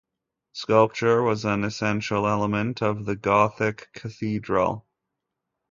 Sculpture was an essential element of the Gothic cathedral.